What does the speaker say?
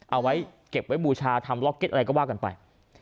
เอาไว้เก็บไว้บูชาทำล็อกเก็ตอะไรก็ว่ากันไป